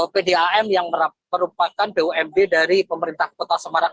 pdam yang merupakan bumd dari pemerintah kota semarang